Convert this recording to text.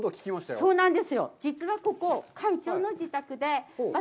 そうなんです。